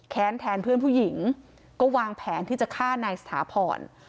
แทนเพื่อนผู้หญิงก็วางแผนที่จะฆ่านายสถาพร